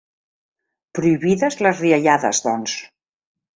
Prohibides les riallades, doncs.